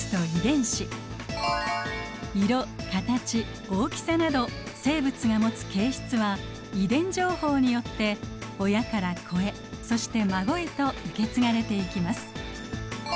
色形大きさなど生物が持つ形質は遺伝情報によって親から子へそして孫へと受け継がれていきます。